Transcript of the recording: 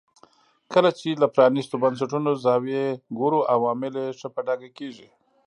کله چې له پرانیستو بنسټونو زاویې ګورو عوامل یې ښه په ډاګه کېږي.